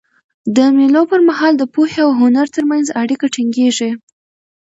د مېلو پر مهال د پوهي او هنر ترمنځ اړیکه ټینګيږي.